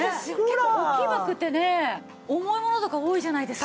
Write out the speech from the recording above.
結構大きいバッグってね重いものとか多いじゃないですか。